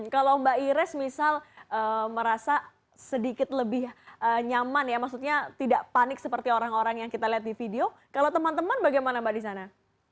kalau mbak ires misal merasa sedikit lebih nyaman ya maksudnya tidak panik seperti orang orang yang kita lihat di video kalau teman teman bagaimana mbak di sana